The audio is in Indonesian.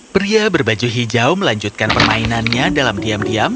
pria berbaju hijau melanjutkan permainannya dalam diam diam